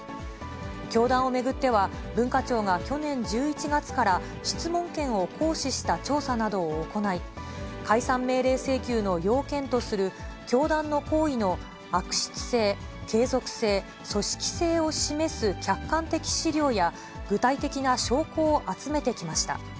教団を巡っては、文化庁が去年１１月から、質問権を行使した調査などを行い、解散命令請求の要件とする、教団の行為の悪質性、継続性、組織性を示す客観的資料や、具体的な証拠を集めてきました。